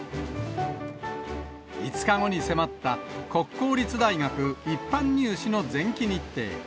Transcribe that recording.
５日後に迫った、国公立大学一般入試の前期日程。